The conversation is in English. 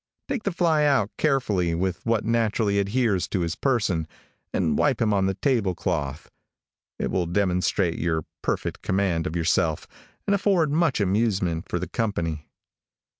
Take the fly out carefully, with what naturally adheres to his person, and wipe him on the table cloth. It will demonstrate your perfect command of yourself, and afford much amusement for the company.